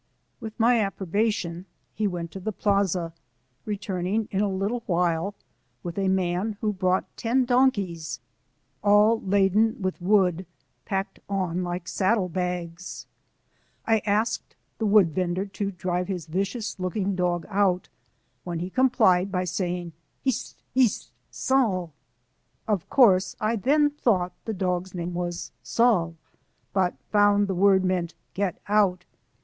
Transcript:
With my approbation he went to the plaza, returning in a little while with a man who brought ten donkeys, all laden with wood packed on like saddle bags. I asked the wood vender to drive his vicious looking dog out, when he complied by saying: ^^ Hist f hist f Sal/'* Of course I then thought the dog's name was Sal^ but soon found the word meant " get out